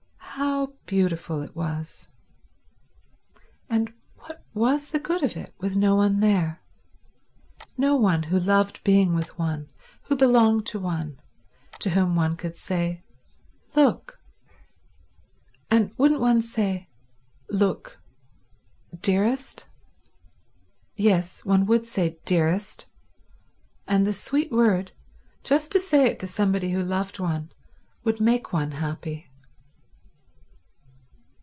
How beautiful it was. And what was the good of it with no one there, no one who loved being with one, who belonged to one, to whom one could say, "Look." And wouldn't one say, "Look—dearest?" Yes, one would say dearest and the sweet word, just to say it to somebody who loved one, would make one happy.